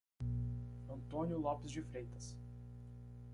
Antônio Lopes de Freitas